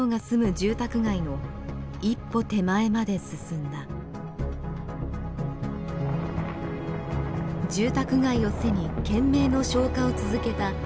住宅街を背に懸命の消火を続けたＣＡＬＦＩＲＥ。